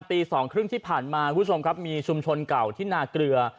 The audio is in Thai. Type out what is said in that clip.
ตีสองครึ่งที่ผ่านมาคุณผู้ชมครับมีชุมชนเก่าที่นาเกลือ